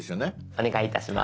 お願いいたします。